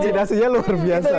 jadi fascinasinya luar biasa